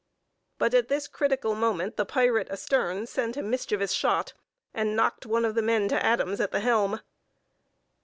But at this critical moment the pirate astern sent a mischievous shot, and knocked one of the men to atoms at the helm.